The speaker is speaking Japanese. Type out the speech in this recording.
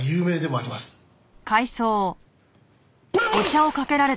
あっ！